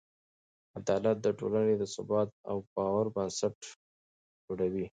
عدالت د ټولنې د ثبات او باور بنسټ جوړوي.